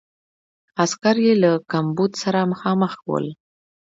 عسکر یې له کمبود سره مخامخ ول.